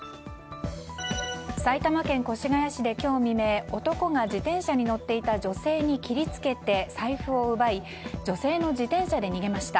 埼玉県越谷市で今日未明男が、自転車に乗っていた女性に切り付けて財布を奪い女性の自転車で逃げました。